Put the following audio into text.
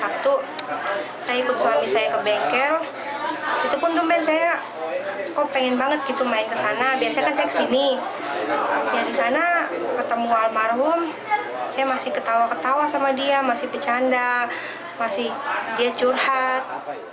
karena ketemu almarhum saya masih ketawa ketawa sama dia masih bercanda masih dia curhat